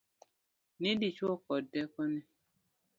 Ni dichuo kod tekone.